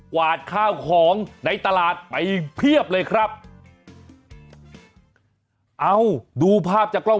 กวาดข้าวของในตลาดไปเภียบเลยครับ